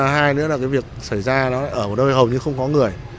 hai nữa là việc xảy ra ở một nơi hầu như không có người